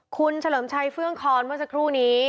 คุณเฉลิมชัยเฟื่องคอนเมื่อสักครู่นี้